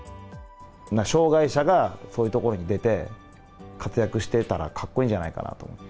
障がい者がそういう所に出て、活躍していたら、かっこいいんじゃないかなと思って。